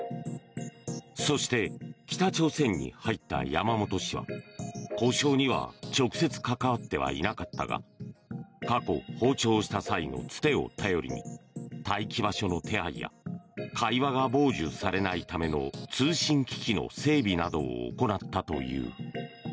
そして北朝鮮に入った山本氏は交渉には直接関わってはいなかったが過去、訪朝した際のつてを頼りに待機場所の手配や会話が傍受されないための通信機器の整備などを行ったという。